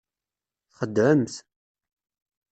Txedɛemt.